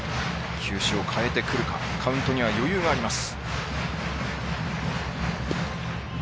球種を変えてくるかカウントには余裕があります。